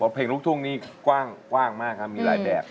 เพลงลูกทุ่งนี้กว้างมากครับ